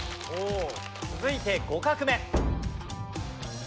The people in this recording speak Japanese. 続いて５画目。